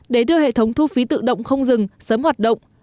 để đưa hệ thống thu phí tự động không dừng sớm hoạt động